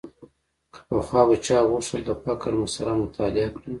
که پخوا به چا غوښتل د فقر مسأله مطالعه کړي.